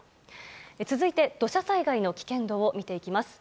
続いて、土砂災害の危険度を見ていきます。